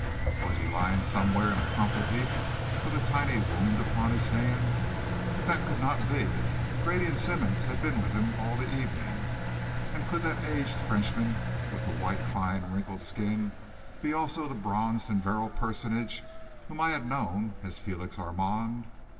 Was he lying somewhere in a crumpled heap, with a tiny wound upon his hand? But that could not be Grady and Simmonds had been with him all the evening! And could that aged Frenchman with the white, fine, wrinkled skin be also the bronzed and virile personage whom I had known as Félix Armand?